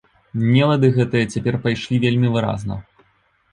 Нелады гэтыя цяпер пайшлі вельмі выразна.